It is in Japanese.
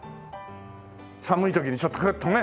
寒い時にちょっとクッとね。